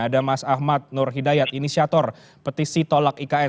ada mas ahmad nur hidayat inisiator petisi tolak ikn